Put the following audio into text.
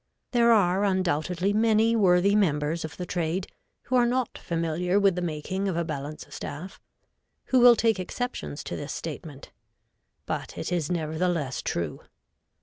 There are undoubtedly many worthy members of the trade, who are not familiar with the making of a balance staff, who will take exceptions to this statement; but it is nevertheless true.